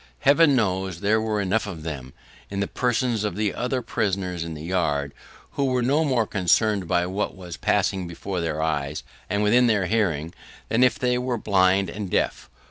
Heaven knows there were enough of them, in the persons of the other prisoners in the yard, who were no more concerned by what was passing before their eyes, and within their hearing, than if they were blind and deaf.